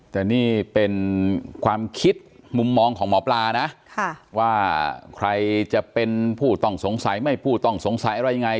แต่นี่เป็นความคิดมุมมองของหมอปลานะว่าใครจะเป็นผู้ต้องสงสัยไม่ผู้ต้องสงสัยอะไรยังไง